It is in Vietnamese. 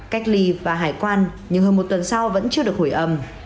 cách ly và hải quan nhưng hơn một tuần sau vẫn chưa được hủy ẩm